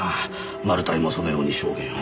マル対もそのように証言を。